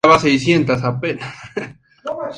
Finalmente, Bardet et al.